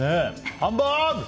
ハンバーグ！